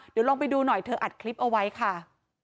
เดี๋ยวลองไปดูหน่อยเธออัดคลิปเอาไว้ค่ะ